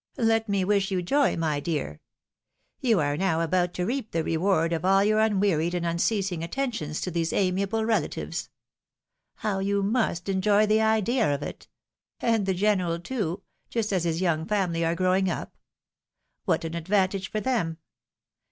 Let me wish you joy, my dear. You are now about to reap the reward of all your unwearied and imceasing attentions to these amiable relatives ! How you must enjoy the idea of it ! And the general, too— just as Ms young family are growing up. What an advantage for them.